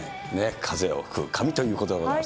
風を吹く神ということでございます。